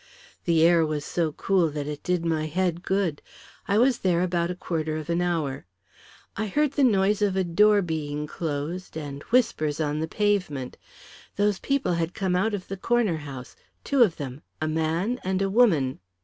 The air was so cool that it did my head good. I was there about a quarter of an hour. I heard the noise of a door being closed and whispers on the pavement. Those people had come out of the corner house, two of them a man and a woman."